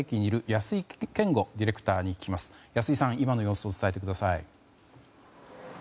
安井さん、今の様子を伝えてください。